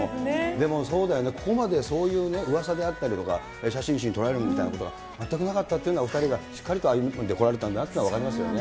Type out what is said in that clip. でもそうだよね、ここまでそういううわさであったりとか、写真誌に撮られるみたいなことは、全くなかったっていうのは、お２人がしっかりと歩んでこられたというのは分かりますよね。